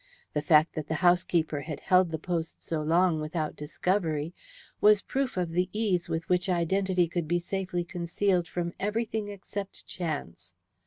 The fact that the housekeeper had held the post so long without discovery was proof of the ease with which identity could be safely concealed from everything except chance.